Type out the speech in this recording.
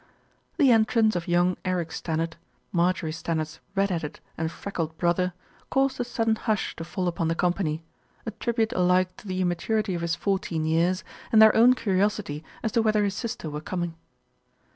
The entrance of young Eric Stannard, Marjorie Stan nard's red headed and freckled brother, caused a sud den hush to fall upon the company, a tribute alike to the immaturity of his fourteen years and their own curiosity as to whether his sister were coming.